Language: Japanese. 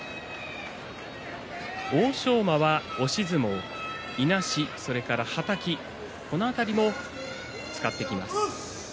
欧勝馬は押し相撲、いなし、それからはたきこの辺りも使ってきます。